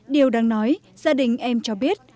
điều đáng nói gia đình em cho biết